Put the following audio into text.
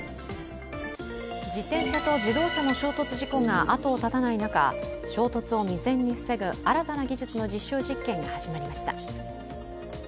自転車と自動車の衝突事故が後を絶たない中衝突を未然に防ぐ新たな技術の実証実験が始まりました。